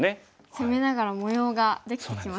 攻めながら模様ができてきましたね。